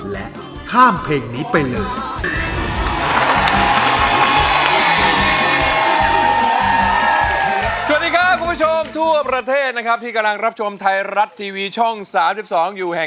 และข้ามเพลงนี้ไปเลย